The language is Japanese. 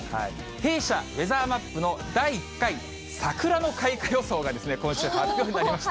弊社、ウェザーマップの第１回桜の開花予想が、今週発表されました。